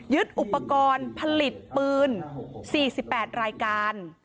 อุปกรณ์ผลิตปืน๔๘รายการ